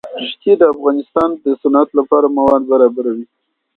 ښتې د افغانستان د صنعت لپاره مواد برابروي.